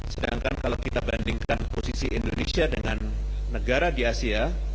sedangkan kalau kita bandingkan posisi indonesia dengan negara di asia